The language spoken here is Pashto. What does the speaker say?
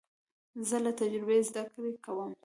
زه له تجربې زده کړه کوم.